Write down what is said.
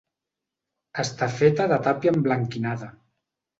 Està feta de tàpia emblanquinada.